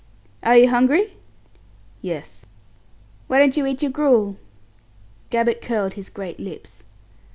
"Are you hungry?" "Yes." "Why don't you eat your gruel?" Gabbett curled his great lips.